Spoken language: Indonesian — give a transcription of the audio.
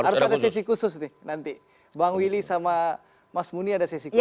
harus ada sesi khusus nih nanti bang willy sama mas muni ada sesi khusus